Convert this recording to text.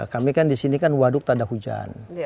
kami kan di sini kan waduk tak ada hujan